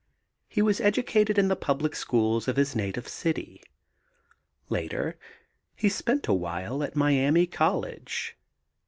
He was educated in the public schools of his native city. Later he spent a while at Miami College.